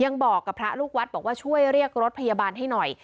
ยังบอกกับพระลูกวัดบอกว่าช่วยเรียกรถพยาบาลให้หน่อย